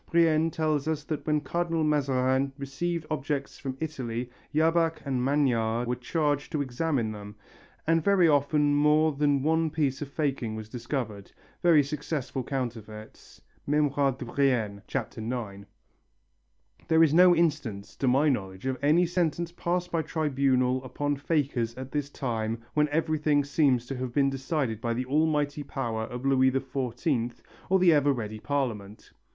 Brienne tells us that when Cardinal Mazarin received objects from Italy, Jabach and Magnard were charged to examine them and very often more than one piece of faking was discovered, very successful counterfeits (Memoires de Brienne, Chap. IX). There is no instance to my knowledge of any sentence passed by tribunal upon fakers at this time when everything seems to have been decided by the almighty, power of Louis XIV or the ever ready Parliament.